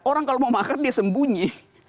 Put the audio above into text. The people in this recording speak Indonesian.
orang kalau mau makan dia sembunyi